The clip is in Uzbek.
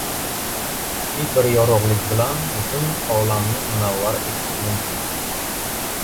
Kuchli bir yorug‘lik bilan butun olamni munavvar etish mumkin.